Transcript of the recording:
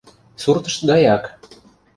Суртышт гаяк.